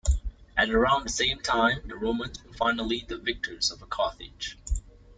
At around the same time, the Romans were finally the victors over Carthage.